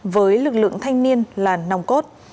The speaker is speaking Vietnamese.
với lực lượng thanh niên là nông cốt